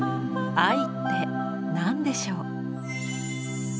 「愛」って何でしょう？